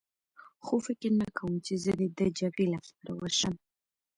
خو فکر نه کوم چې زه دې د جګړې لپاره ورشم.